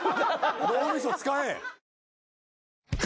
脳みそ使え。